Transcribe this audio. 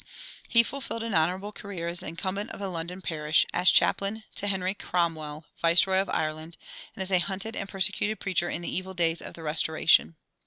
He fulfilled an honorable career as incumbent of a London parish, as chaplain to Henry Cromwell, viceroy of Ireland, and as a hunted and persecuted preacher in the evil days after the Restoration.